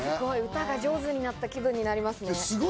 歌が上手になった気分になりますね。